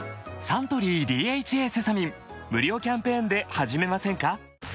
サントリー「ＤＨＡセサミン」無料キャンペーンで始めませんか？